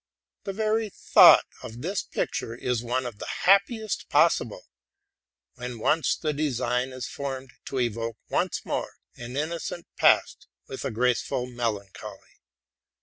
The very thought of this picture is one of the happiest possible, when once the design is formed to evoke once more an innocent past with a graceful melancholy.